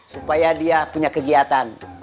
supaya dia punya kegiatan